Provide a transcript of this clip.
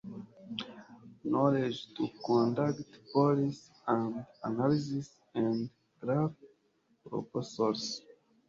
Knowledge to conduct policy and analysis and draft proposals